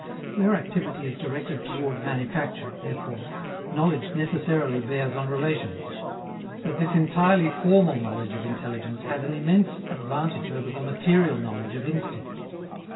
Where activity is directed toward manufacture, therefore, knowledge necessarily bears on relations. But this entirely formal knowledge of intelligence has an immense advantage over the material knowledge of instinct.